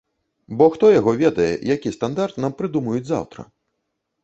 Бо хто яго ведае, які стандарт нам прыдумаюць заўтра.